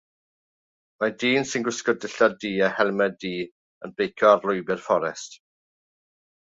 Mae dyn sy'n gwisgo dillad du a helmed du yn beicio ar lwybr fforest.